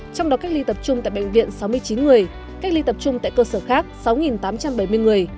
trong đó cách ly tập trung tại bệnh viện sáu mươi chín người cách ly tập trung tại cơ sở khác sáu tám trăm bảy mươi người